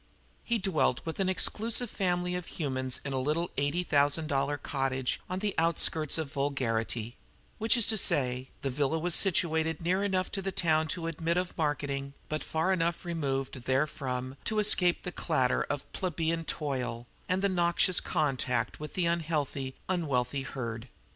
He dwelt with an exclusive family of humans in a little eighty thousand dollar cottage on the outskirts of vulgarity which is to say, the villa was situated near enough to town to admit of marketing, but far enough removed therefrom to escape the clatter of plebeian toil and the noxious contact with the unhealthy, unwealthy herd.